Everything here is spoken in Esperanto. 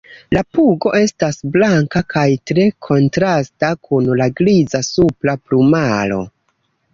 La pugo estas blanka kaj tre kontrasta kun la griza supra plumaro.